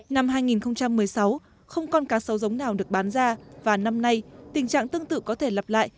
năm hai nghìn một mươi sáu không con cá sấu giống nào được bán ra và năm nay tình trạng tương tự có thể lặp lại